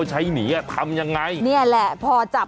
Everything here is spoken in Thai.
หน้าเมื่อนี้